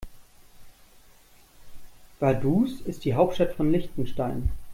Vaduz ist die Hauptstadt von Liechtenstein.